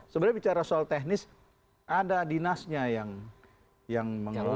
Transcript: sebenarnya bicara soal teknis ada dinasnya yang mengelola